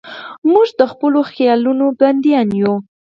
موږ د خپلو خیالونو بندیان یو.